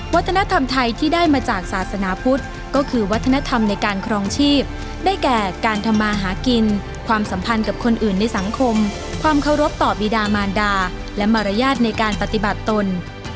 วัฒนธรรมไทยที่ได้มาจากศาสนาพุทธก็คือวัฒนธรรมในการครองชีพได้แก่การทำมาหากินความสัมพันธ์กับคนอื่นในสังคมความเคารพต่อบีดามานดาและมารยาทในการปฏิบัติตน